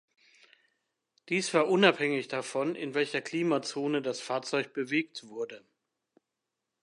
Dies war unabhängig davon, in welcher Klimazone das Fahrzeug bewegt wurde.